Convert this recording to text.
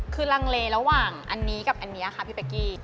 คือลังเลระหว่างอันนี้กับอันนี้ค่ะพี่เป๊กกี้